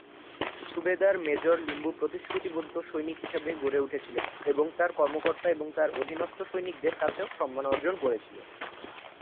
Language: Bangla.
সুবেদার মেজর লিম্বু প্রতিশ্রুতিবদ্ধ সৈনিক হিসাবে গড়ে উঠেছিলেন এবং তাঁর কর্মকর্তা এবং তাঁর অধীনস্থ সৈনিকদের কাছেও সম্মান অর্জন করেছিলেন।